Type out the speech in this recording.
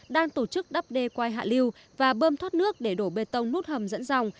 đang tổ chức đắp đê qua hạ lưu và bơm thoát nước để đổ bê tông nút hầm dẫn dòng